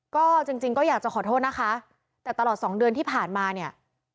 ก็จริงก็อยากจะขอโทษนะคะแต่ตลอดสองเดือนที่ผ่านมาเนี่ย